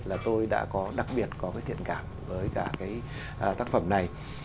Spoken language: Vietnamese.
là tôi đã có đặc biệt có cái thiện cảm với cả cái tác phẩm này